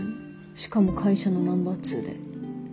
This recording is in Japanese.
しかも会社のナンバー２で。